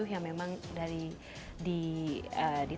yang memang dari di